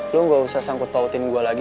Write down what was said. lo gak usah sangkut pautin gue lagi